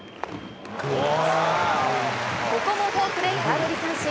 ここもフォークで空振り三振。